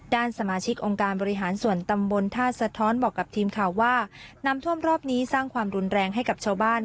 ด้านสมาชิกองค์การบริหารส่วนตำบลท่าสะท้อนบอกกับทีมข่าวว่าน้ำท่วมรอบนี้สร้างความรุนแรงให้กับชาวบ้าน